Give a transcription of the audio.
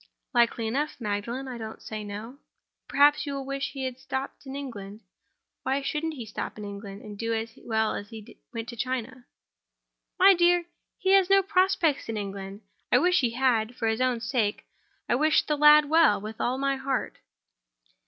"Likely enough, Magdalen; I don't say no." "Perhaps you will wish he had stopped in England? Why shouldn't he stop in England, and do as well as if he went to China?" "My dear! he has no prospects in England. I wish he had, for his own sake. I wish the lad well, with all my heart."